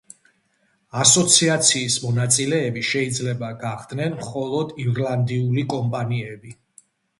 ასოციაციის მონაწილეები შეიძლება გახდნენ მხოლოდ ირლანდიული კომპანიები.